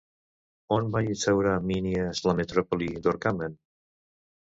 On va instaurar Mínias la metròpoli d'Orcomen?